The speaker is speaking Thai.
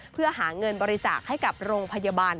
เพื่อหาเงินบริจาคให้กับโรงพยาบาล